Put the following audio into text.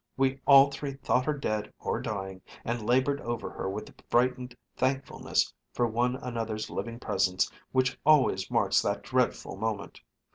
We all three thought her dead or dying, and labored over her with the frightened thankfulness for one another's living presence which always marks that dreadful moment.